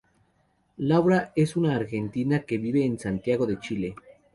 Laura es una argentina que vive en Santiago de Chile.